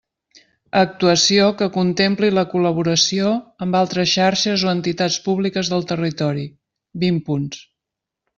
Actuació que contempli la col·laboració amb altres xarxes o entitats públiques del territori, vint punts.